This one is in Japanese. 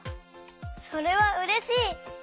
それはうれしい！